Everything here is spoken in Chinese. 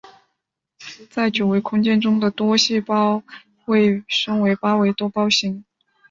在九维空间中的多胞形都被称为八维多胞形。